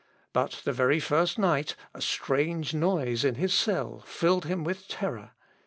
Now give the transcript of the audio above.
But the very first night a strange noise in his cell filled him with terror.